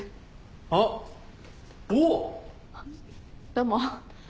どうも。